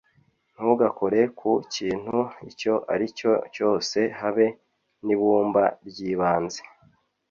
Ntugakore ku kintu icyo ari cyo cyose habe nibumba ryibanze